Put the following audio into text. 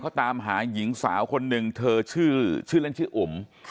เขาตามหาหญิงสาวคนหนึ่งเธอชื่อเล่นชื่ออุ๋ม